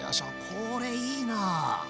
これいいな！